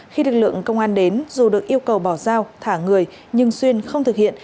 khi lực lượng công an đến dù được yêu cầu bỏ giao thả người nhưng xuyên không thực hiện